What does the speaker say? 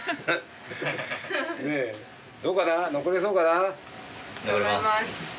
残れます。